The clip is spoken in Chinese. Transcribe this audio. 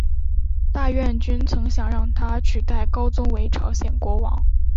大院君曾想让他取代高宗为朝鲜国王。